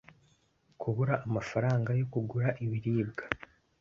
kubura amafaranga yo kugura ibiribwa